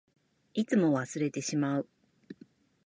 いつも忘れてしまう。